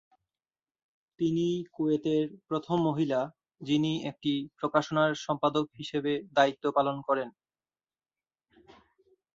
তিনি কুয়েতের প্রথম মহিলা যিনি একটি প্রকাশনার সম্পাদক হিসেবে দায়িত্ব পালন করেন।